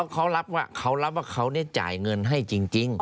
เขารับว่าเขารับว่าเขาจ่ายเงินให้จริง